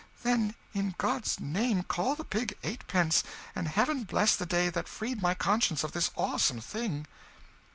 "Then in God's name call the pig eightpence, and heaven bless the day that freed my conscience of this awesome thing!"